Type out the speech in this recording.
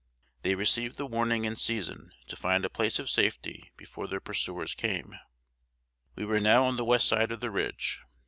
They received the warning in season to find a place of safety before their pursuers came. We were now on the west side of the Ridge.